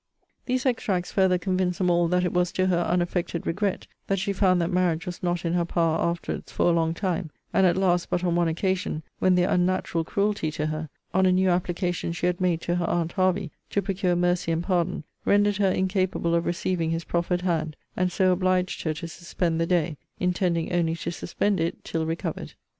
These extracts further convinced them all that it was to her unaffected regret that she found that marriage was not in her power afterwards for a long time; and at last, but on one occasion, when their unnatural cruelty to her (on a new application she had made to her aunt Hervey, to procure mercy and pardon) rendered her incapable of receiving his proffered hand; and so obliged her to suspend the day: intending only to suspend it till recovered.